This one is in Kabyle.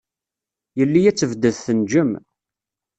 Yelli ad tebded tenjem.